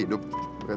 aku mau ke rumah